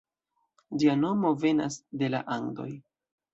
Ĝia nomo venas de la Andoj.